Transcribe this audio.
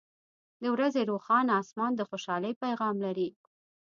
• د ورځې روښانه آسمان د خوشحالۍ پیغام لري.